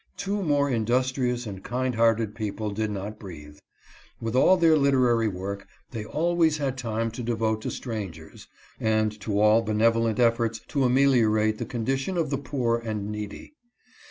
Two more industrious and kind hearted people did not breathe. With all their literary work, they always had time to devote to strangers, and to all benevo lent efforts to ameliorate the condition of the poor and needy.